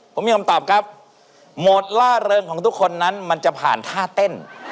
ผมมีคำตอบครับโหมดล่าเริงของทุกคนนั้นมันจะผ่านท่าเต้น